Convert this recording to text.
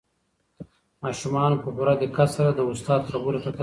ماشومانو په پوره دقت سره د استاد خبرو ته کتل.